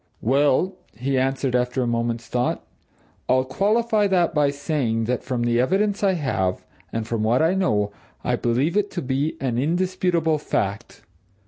"Well," he answered after a moment's thought, "I'll qualify that by saying that from the evidence I have, and from what I know, I believe it to be an indisputable fact.